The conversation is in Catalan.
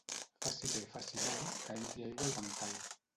Faci bé, faci mal, que entri aigua al bancal.